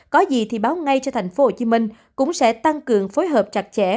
có gì thì báo ngay cho thành phố hồ chí minh cũng sẽ tăng cường phối hợp chặt chẽ